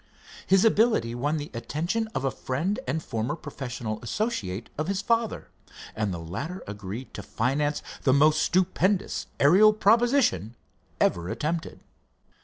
His ability won the attention of a friend and former professional associate of his father, and the latter agreed to finance the most stupendous aerial proposition ever attempted.